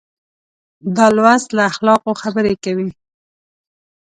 دا لوست له اخلاقو خبرې کوي.